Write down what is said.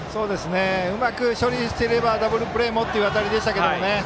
うまく処理していればダブルプレーもという当たりでしたけどね。